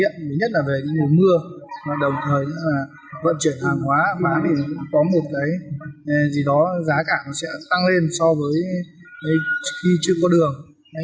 đầu tiên nhất là về mùa mưa đồng thời vận chuyển hàng hóa bán thì có một cái gì đó giá cả sẽ tăng lên so với khi chưa có đường